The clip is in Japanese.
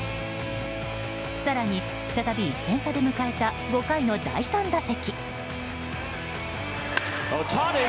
更に再び１点差で迎えた５回の第３打席。